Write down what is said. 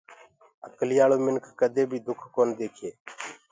اڪليآݪو منک ڪدي بي دُک ڪونآ ديکي